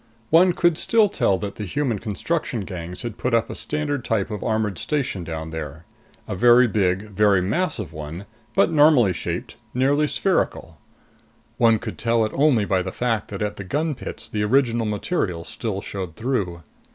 One could still tell that the human construction gangs had put up a standard type of armored station down there. A very big, very massive one, but normally shaped, nearly spherical. One could tell it only by the fact that at the gun pits the original material still showed through.